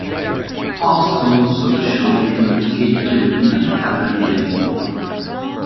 Past hosts of the show include Kate Clinton and Katherine Linton.